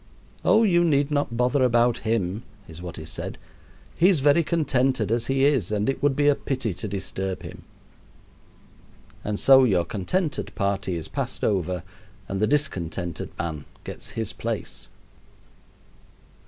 "Oh, you need not bother about him," is what is said; "he is very contented as he is, and it would be a pity to disturb him." And so your contented party is passed over and the discontented man gets his place.